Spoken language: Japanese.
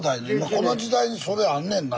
この時代にそれあんねんな